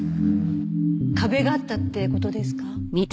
壁があったって事ですか？